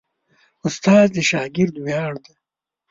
استاد د شاګرد ویاړ دی.